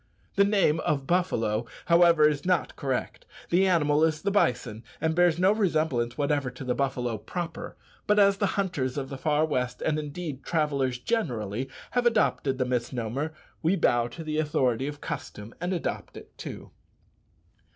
The name of buffalo, however, is not correct. The animal is the bison, and bears no resemblance whatever to the buffalo proper; but as the hunters of the far west, and, indeed, travellers generally, have adopted the misnomer, we bow to the authority of custom and adopt it too.